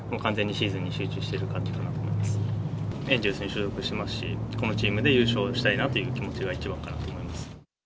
エンゼルスに所属してますし、このチームで優勝したいなという気持ちが一番かなと思います。